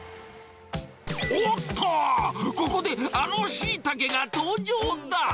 おっと、ここで、あのシイタケが登場だ。